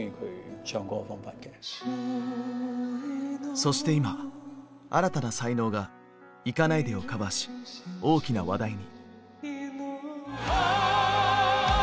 そして今新たな才能が「行かないで」をカバーし大きな話題に。